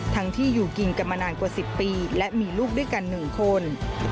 ที่อยู่กินกันมานานกว่า๑๐ปีและมีลูกด้วยกัน๑คน